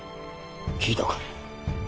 聞いたか？